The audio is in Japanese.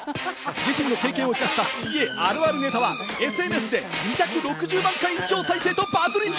自身の経験をしたＣＡあるあるネタはＳＮＳで２６０万回以上再生とバズり中！